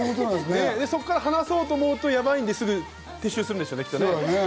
そこから話そうとするとやばいんで、撤収するんでしょうね。